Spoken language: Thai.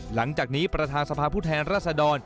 หลังจากนี้ประธานสภาพุทธแห่งรัฐศดร